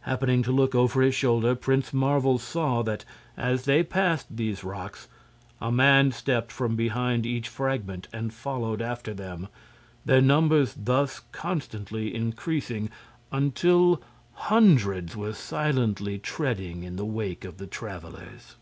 Happening to look over his shoulder Prince Marvel saw that as they passed these rocks a man stepped from behind each fragment and followed after them, their numbers thus constantly increasing until hundreds were silently treading in the wake of the travelers.